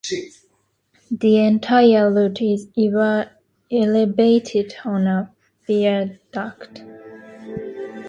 The entire route is elevated on a viaduct.